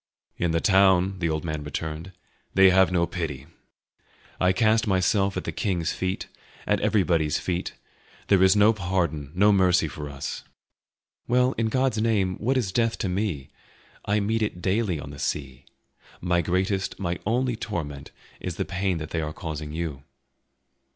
"In the town," the old man returned, "they have no pity; I cast myself at the king's feet, at everybody's feet; there is no pardon, no mercy for us." "Well, in God's name, what is death to me? I meet it daily on the sea. My greatest, my only torment is the pain that they are causing you."